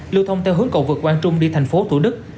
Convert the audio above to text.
lưu thông theo hướng cầu vượt quang trung đi thành phố thủ đức